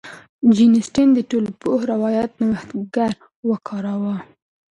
جین اسټن د ټولپوه روایت نوښتګر وکاراوه.